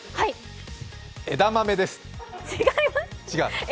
枝豆です。